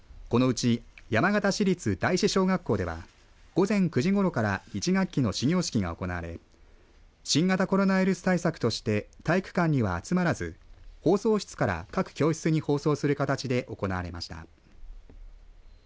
このうち山形市立第四小学校では午前９時ごろから１学期の始業式が行われ新型コロナウイルス対策として体育館には集まらず放送室から各教室に放送する形で行われました。